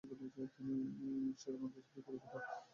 তিনি সের্বান্তেস অধিক পরিচিত।